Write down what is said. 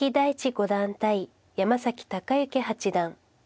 五段対山崎隆之八段。